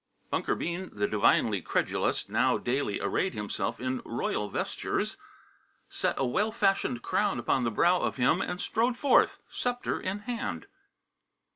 Bunker Bean, the divinely credulous, now daily arrayed himself in royal vestures, set a well fashioned crown upon the brow of him and strode forth, sceptre in hand.